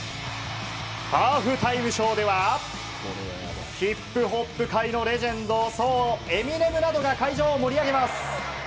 ハーフタイムショーではヒップホップ界のレジェンドエミネムなどが会場を盛り上げます。